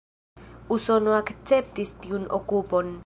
Usono akceptis tiun okupon.